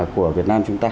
của việt nam chúng ta